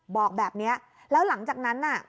บอกแบบนี้แล้วหลังจากนั้นน่ะ